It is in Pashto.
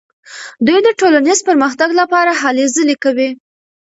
دوی د ټولنیز پرمختګ لپاره هلې ځلې کوي.